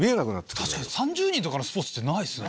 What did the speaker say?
確かに３０人とかのスポーツってないっすね。